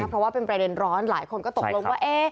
เพราะว่าเป็นประเด็นร้อนหลายคนก็ตกลงว่า